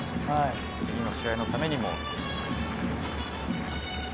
次の試合のためにも。